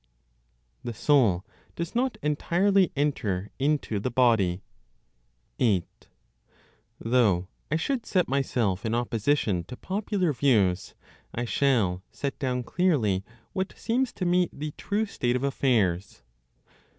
THE SOUL DOES NOT ENTIRELY ENTER INTO THE BODY. 8. Though I should set myself in opposition to popular views, I shall set down clearly what seems to me the true state of affairs.